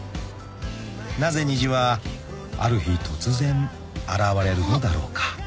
［なぜ虹はある日突然現れるのだろうか？］